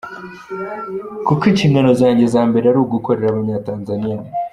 Kuko inshingano zanjye za mbere ari ugukorera Abanyatanzania.